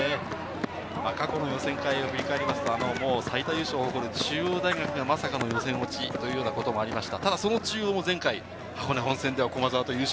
過去の予選会を振り返りますと、最多優勝を誇る中央大学がまさかの予選落ちというようなこともありました。